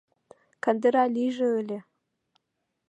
— Кандыра лийже ыле!